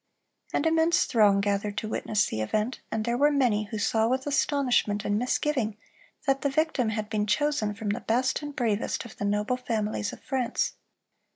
An immense throng gathered to witness the event, and there were many who saw with astonishment and misgiving that the victim had been chosen from the best and bravest of the noble families of France.